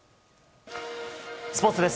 スポーツです。